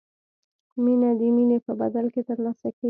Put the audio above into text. مینه د مینې په بدل کې ترلاسه کیږي.